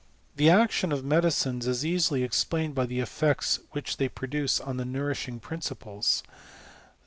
The action of medicines is easily explained by the ^ects which they produce on the nourishing principles.